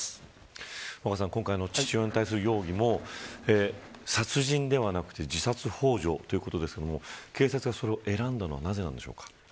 今回の父親に対する容疑も殺人ではなくて自殺ほう助ということですけれども警察がそれを選んだのはなぜなんですか。